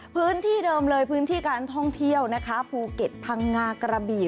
พื้นที่เดิมเลยพื้นที่การท่องเที่ยวนะคะภูเก็ตพังงากระบี่